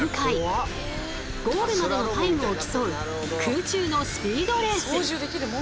ゴールまでのタイムを競う空中のスピードレース。